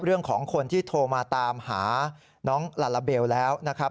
เรื่องของคนที่โทรมาตามหาน้องลาลาเบลแล้วนะครับ